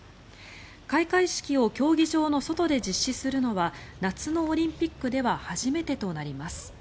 開会式を競技場の外で実施するのは夏のオリンピックでは初めてとなります。